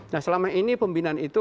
nah selama ini pembinaan itu